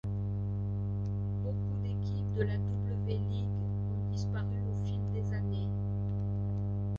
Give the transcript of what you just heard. Beaucoup d'équipes de la W-League ont disparu au fil des années.